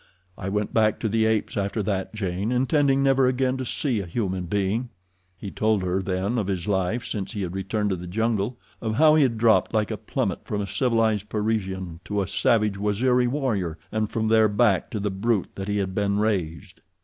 I went back to the apes after that, Jane, intending never again to see a human being." He told her then of his life since he had returned to the jungle—of how he had dropped like a plummet from a civilized Parisian to a savage Waziri warrior, and from there back to the brute that he had been raised.